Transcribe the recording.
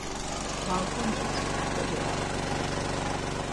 Balǩonis kocelapxedi.